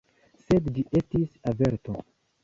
Sed ĝi estis averto.